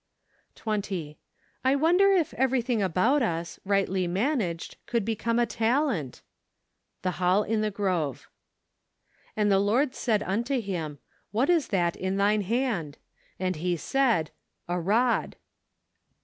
118 OCTOBER. 20. I wonder if everything about us, rightly managed, would become a talent ? The Hall in the Gruvo. "And the Lord said unto him, IT hat is that in thine hand? And lie said , A rod.